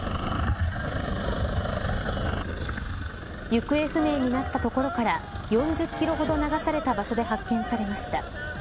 行方不明になった所から４０キロほど流された場所で発見されました。